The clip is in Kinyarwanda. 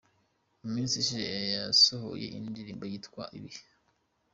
Mu minsi ishize yasohoye indi ndirimbo yitwa Ibihe.